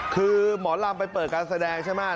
คือหมอลำไปเปิดการแสดงใช่ไหม